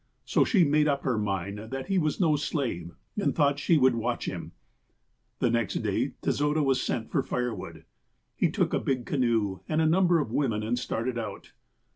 So she made up her mind that he was no slave and thought she would watch him. " The next day Tezoda was sent for fire wood. He took a big canoe, and a number of women, and started out.